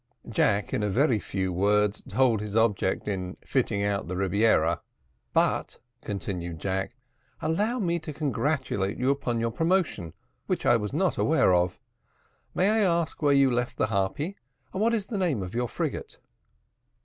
Jack, in a very few words, told his object in fitting out the Rebiera; "but," continued Jack, "allow me to congratulate you upon your promotion, which I was not aware of. May I ask where you left the Harpy, and what is the name of your frigate?"